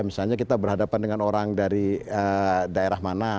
misalnya kita berhadapan dengan orang dari daerah mana